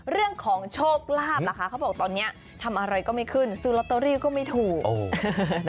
เรื่องของโชคลาภล่ะคะเขาบอกตอนนี้ทำอะไรก็ไม่ขึ้นซื้อลอตเตอรี่ก็ไม่ถูก